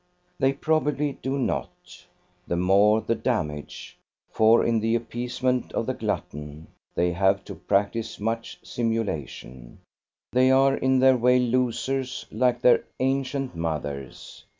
They probably do not; the more the damage; for in the appeasement of the glutton they have to practise much simulation; they are in their way losers like their ancient mothers.